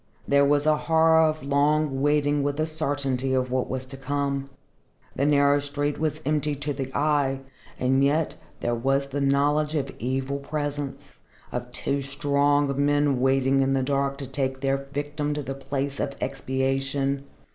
There was a horror of long waiting with the certainty of what was to come. The narrow street was empty to the eye, and yet there was the knowledge of evil presence, of two strong men waiting in the dark to take their victim to the place of expiation.